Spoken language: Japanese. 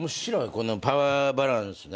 このパワーバランスね。